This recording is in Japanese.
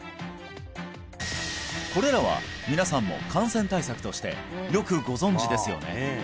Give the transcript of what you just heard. これらは皆さんも感染対策としてよくご存じですよね